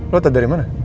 lo tau dari mana